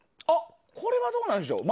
これはどうなんでしょう。